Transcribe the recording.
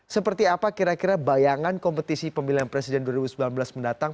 seperti apa kira kira bayangan kompetisi pemilihan presiden dua ribu sembilan belas mendatang